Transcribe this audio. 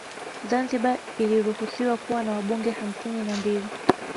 Zanzibar iliruhusiwa kuwa na Wabunge hamsini na mbili